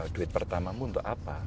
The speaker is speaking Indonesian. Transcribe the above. duit pertamamu untuk apa